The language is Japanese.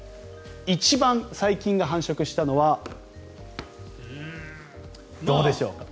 一番細菌が繁殖したのはどうでしょうか。